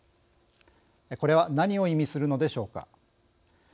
これは何を意味するのでしょうか。